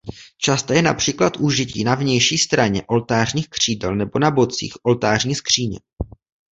Časté je například užití na vnější straně oltářních křídel nebo na bocích oltářní skříně.